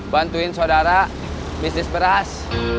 bantuin saudara bisnis beras